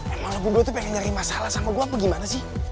emang lo bubuk tuh pengen nyerima salah sama gue apa gimana sih